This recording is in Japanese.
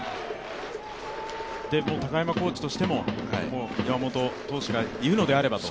高山コーチとしても、山本投手がいるのであればと。